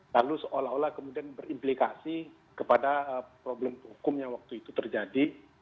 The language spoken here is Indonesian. lalu seolah olah kemudian berimplikasi kepada problem hukum yang waktu itu terjadi